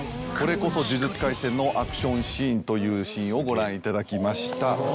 これこそ『呪術廻戦』のアクションシーンというシーンをご覧いただきました。